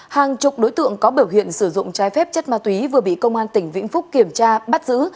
hàng chục đối tượng có biểu hiện sử dụng trái phép chất ma túy vừa bị công an tỉnh vĩnh phúc kiểm tra bắt giữ